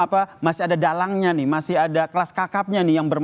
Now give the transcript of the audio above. apa masih ada dalangnya nih masih ada kelas kakapnya nih yang bermain